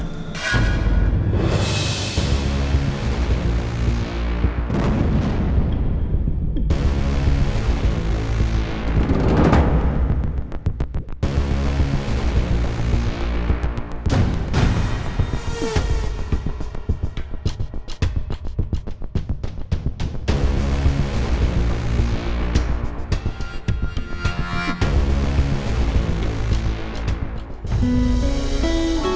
akhirnya aku kembali